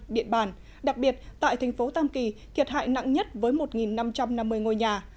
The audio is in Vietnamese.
điện bàn đặc biệt tại thành phố tam kỳ thiệt hại nặng nhất với một năm trăm năm mươi ngôi nhà